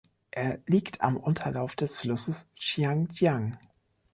Er liegt am Unterlauf des Flusses Xiang Jiang.